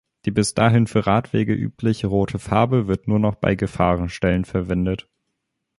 Die bis dahin für Radwege übliche rote Farbe, wird nur noch bei Gefahrenstellen verwendet.